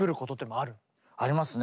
ありますね。